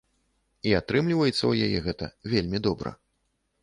І атрымліваецца ў яе гэта вельмі добра.